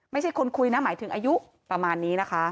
ไม่ใช่คนคุยนะหมายถึงอายุประมาณนี้นะคะ